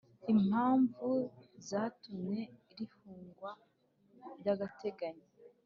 Impamvu zatumye rifungwa by ‘agateganyo .